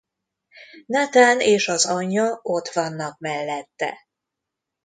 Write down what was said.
Nathan és az anyja ott vannak mellette.